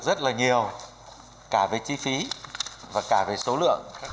rất nhiều chi phí và số lượng quy hoạch